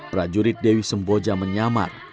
prajurit dewi semboja menyamar